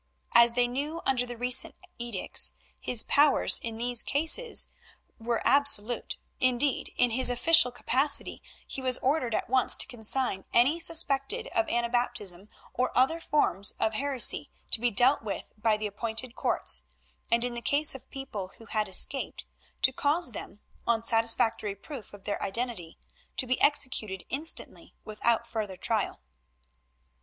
As they knew under the recent edicts, his powers in these cases were absolute; indeed, in his official capacity he was ordered at once to consign any suspected of Anabaptism or other forms of heresy to be dealt with by the appointed courts, and in the case of people who had escaped, to cause them, on satisfactory proof of their identity, to be executed instantly without further trial.